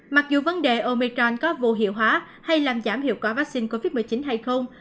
mặc dù vấn đề omechal có vô hiệu hóa hay làm giảm hiệu quả vaccine covid một mươi chín hay không